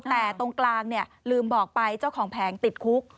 แต่ตรงกลางเนี่ยลืมบอกไปเจ้าของแผงติดคุก